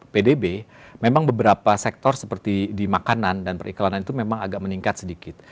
pdb memang beberapa sektor seperti di makanan dan periklanan itu memang agak meningkat sedikit